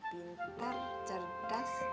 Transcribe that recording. pintar cerdas dan bijaksana